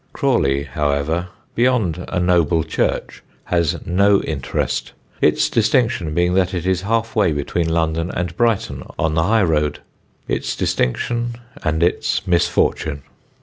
Crawley, however, beyond a noble church, has no interest, its distinction being that it is halfway between London and Brighton on the high road its distinction and its misfortune.